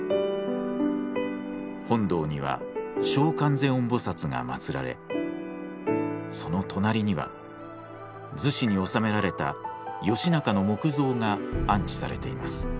本堂には聖観世音菩が祀られその隣には厨子に納められた義仲の木像が安置されています。